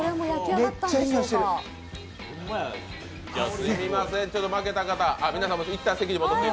めっちゃいい匂いしてる。